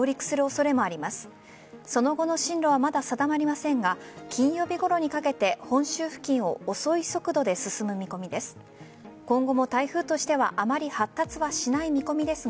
その後の進路はまだ定まりませんが金曜日ごろにかけて本州付近を遅い速度で進む見込みです。